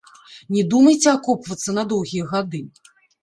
Не думайце акопвацца на доўгія гады!